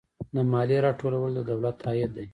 د مالیې راټولول د دولت عاید دی